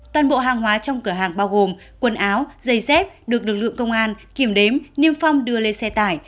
toàn bộ hàng hóa trong cửa hàng bao gồm quần áo giày dép được lực lượng công an kiểm đếm niêm phong đưa lên xe tải